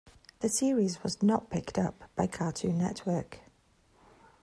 The series was not picked up by Cartoon Network.